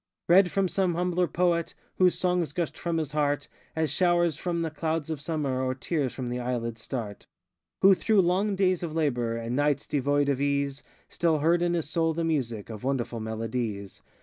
Read from some humbler poet, Whose songs gushed from his heart, As showers from the clouds of summer, Or tears from the eyelids start; Who through long days of labor, And nights devoid of ease, Still heard in his soul the music Of wonderful melodies.